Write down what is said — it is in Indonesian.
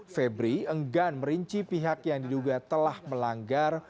febri enggan merinci pihak yang diduga telah melanggar